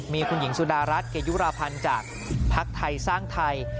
มีคุณหญิงสุดารัฐเกยุราพันธ์จากภักดิ์ไทยสร้างไทย